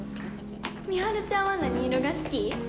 美晴ちゃんは何色が好き？